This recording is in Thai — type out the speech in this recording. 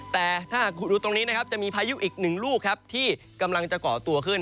แต่ถ้าดูตรงนี้จะมีพายุอีกหนึ่งลูกที่กำลังจะเกาะตัวขึ้น